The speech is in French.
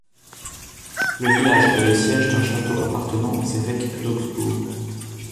Le village est le siège d'un château appartenant aux évêques d'Augsbourg.